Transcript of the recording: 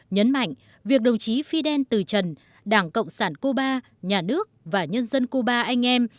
nhấn mạnh việc đồng chí fidel từ trần đảng cộng sản cuba nhà nước và nhân dân cuba anh em